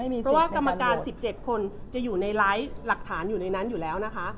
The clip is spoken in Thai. เพราะว่ากรรมการ๑๗คนจะอยู่ในไลฟ์หลักฐานอยู่ในนั้นอยู่แล้วนะคะ